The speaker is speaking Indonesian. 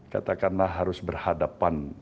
katakanlah harus berhadapan